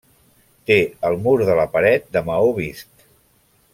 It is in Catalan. Té el mur de la paret de maó vist.